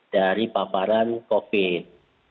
dari paparan covid sembilan belas